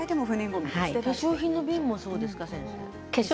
化粧品の瓶もそうですか？